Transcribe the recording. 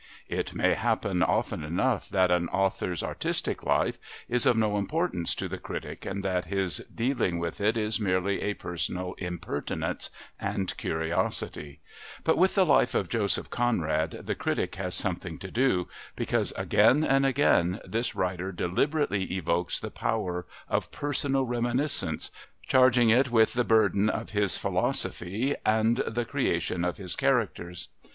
It may happen often enough that an author's artistic life is of no importance to the critic and that his dealing with it is merely a personal impertinence and curiosity, but with the life of Joseph Conrad the critic has something to do, because, again and again, this writer deliberately evokes the power of personal reminiscence, charging it with the burden of his philosophy and the creation of his characters.